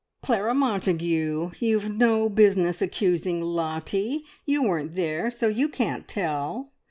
"Clara Montagu, you've no business accusing Lottie! You weren't there, so you can't tell!